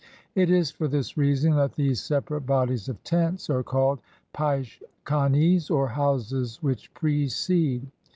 It is for this reason that these separate bodies of tents are called peiche kanes, or houses which precede.